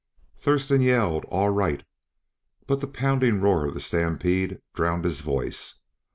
Thurston yelled "All right!" but the pounding roar of the stampede drowned his voice.